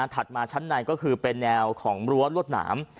มาชั้นในก็คือเป็นแนวของรั้วรวดหนาม